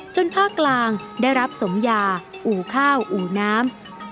ภาคกลางได้รับสมยาอู่ข้าวอู่น้ำ